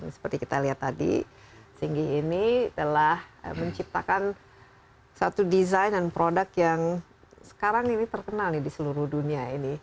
seperti kita lihat tadi singi ini telah menciptakan satu desain dan produk yang sekarang ini terkenal di seluruh dunia ini